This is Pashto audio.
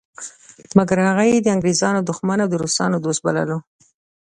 مګر هغه یې د انګریزانو دښمن او د روسانو دوست باله.